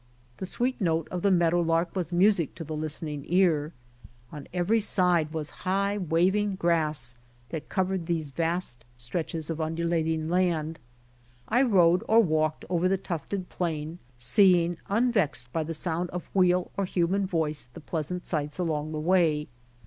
The sweet note of the meadow lark was music to the listening ear. On every side was high waving grass that covered these vast stretches of undulating land. I rode or walked over the tufted plain, seeing, unvexed by sound of wheel or human voice the pleasant sights along the way.